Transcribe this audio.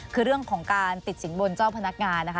คือเรื่องของการติดสินบนเจ้าพนักงานนะคะ